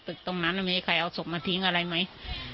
ตึกตรงนั้นมีใครเอาศพมาทิ้งอะไรไหม